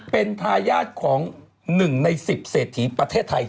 เป็นทายาทของ๑ใน๑๐เศรษฐีประเทศไทย